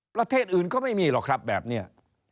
ประเทศอื่นก็ไม่มีหรอกครับแบบนี้